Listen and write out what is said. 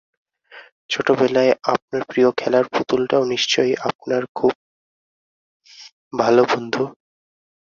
ছোটবেলায় আপনার প্রিয় খেলার পুতুলটাও নিশ্চয়ই আপনার খুব ভালো বন্ধু?